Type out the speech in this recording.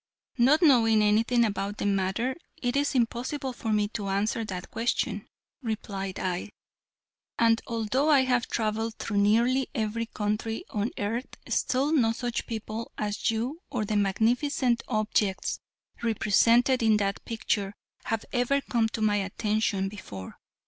"Not knowing anything about the matter it is impossible for me to answer that question," replied I; "and although I have traveled through nearly every country on earth still no such people as you or the magnificent objects represented in that picture have ever come to my attention before.